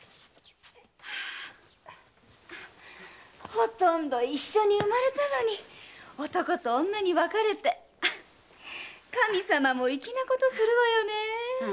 ほとんど一緒に産まれたのに男と女に分かれて神さまも粋なことするわよねえ。